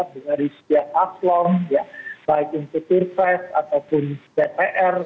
dari setiap aslong baik untuk turkes ataupun dpr